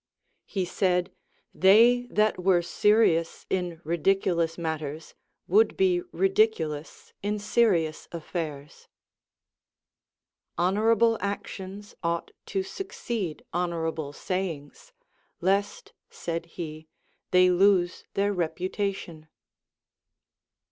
He said, they that were serious in ridicu lous matters would be ridiculous in serious affairs. Hon orable actions ought to succeed honorable sayings ; Lest, said he, they lose their reputation.